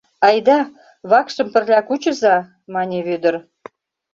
Айда, вакшым пырля кучыза, — мане Вӧдыр.